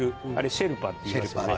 「シェルパ」っていいますよね。